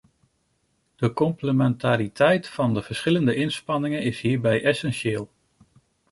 De complementariteit van de verschillende inspanningen is hierbij essentieel.